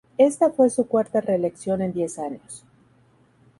Ésta fue su cuarta reelección en diez años.